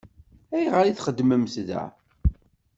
Ayɣer i txeddmem da?